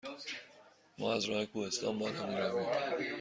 ما از راه کوهستان بالا می رویم؟